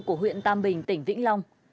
của huyện tam bình tỉnh vĩnh long